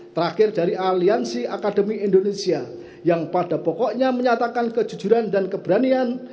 terakhir dari aliansi akademi indonesia yang pada pokoknya menyatakan kejujuran dan keberanian